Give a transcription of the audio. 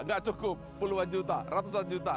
nggak cukup puluhan juta ratusan juta